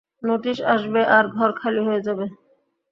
Notice আসবে, আর ঘর খালি হয়ে যাবে।